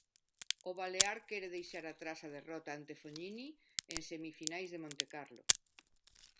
O balear quere deixar atrás a derrota ante Fognini en semifinais de Montecarlo.